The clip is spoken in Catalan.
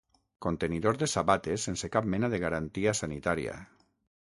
Contenidor de sabates sense cap mena de garantia sanitària.